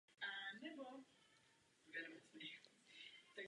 Částečně proniká i do Černého moře.